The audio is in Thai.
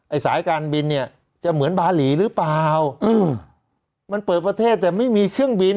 สายการบินเนี่ยจะเหมือนบาหลีหรือเปล่าอืมมันเปิดประเทศแต่ไม่มีเครื่องบิน